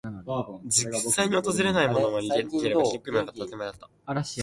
実際に訪れたものはいなければ、記憶にもなかった。当たり前だった。